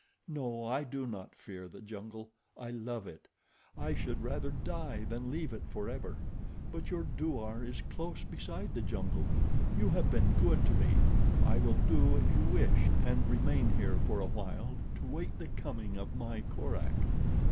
No, I do not fear the jungle. I love it. I should rather die than leave it forever; but your douar is close beside the jungle. You have been good to me. I will do as you wish, and remain here for a while to wait the coming of my Korak."